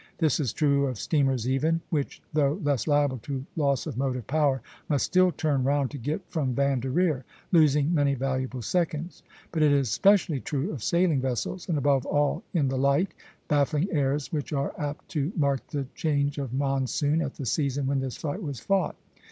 This is true of steamers even, which, though less liable to loss of motive power, must still turn round to get from van to rear, losing many valuable seconds; but it is specially true of sailing vessels, and above all in the light, baffling airs which are apt to mark the change of monsoon at the season when this fight was fought.